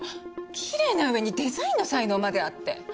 きれいな上にデザインの才能まであって。